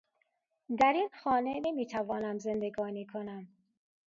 در این خانه نمیتوانم زندگانی کنم